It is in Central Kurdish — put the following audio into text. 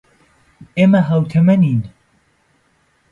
ئێمە ھاوتەمەنین.